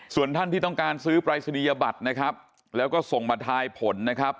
ส่วนท่านที่ต้องการซื้อปรายศนียบัตรนะครับแล้วก็ส่งมาทายผลนะครับ